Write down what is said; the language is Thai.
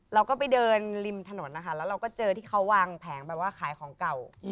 เราก็ไปเดินริมถนนนะคะแล้วเราก็เจอที่เขาวางแผงแบบว่าขายของเก่า